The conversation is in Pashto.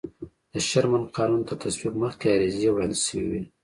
د شرمن قانون تر تصویب مخکې عریضې وړاندې شوې وې.